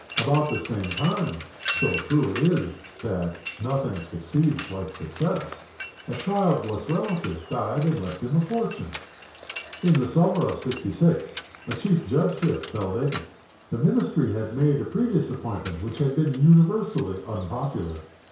About the same time so true it is that "nothing succeeds like success" a childless relative died and left him a fortune. In the summer of 'sixty six a Chief Judgeship fell vacant. The Ministry had made a previous appointment which had been universally unpopular.